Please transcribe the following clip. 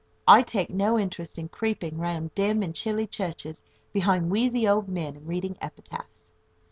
I take no interest in creeping round dim and chilly churches behind wheezy old men, and reading epitaphs.